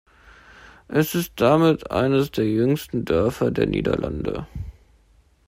Es ist damit eines der jüngsten Dörfer der Niederlande.